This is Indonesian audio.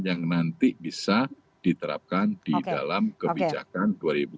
yang nanti bisa diterapkan di dalam kebijakan dua ribu dua puluh lima dua ribu tiga puluh